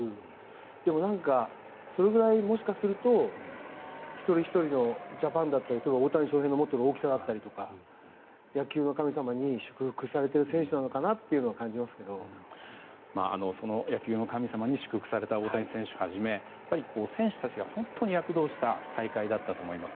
でも、それぐらいもしかすると一人ひとりのジャパンだったり大谷翔平の持っている大きさだったり野球の神様に祝福されている選手なのかなとその野球の神様に祝福された大谷選手をはじめ選手たちが本当に躍動した大会だったと思います。